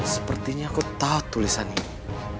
sepertinya aku tahu tulisan ini